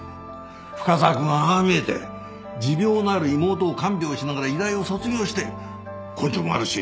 深澤君はああ見えて持病のある妹を看病しながら医大を卒業して根性もあるし優しい子だ。